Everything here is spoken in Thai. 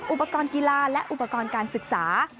อุปกรณ์กีฬาและอุปกรณ์การศึกษา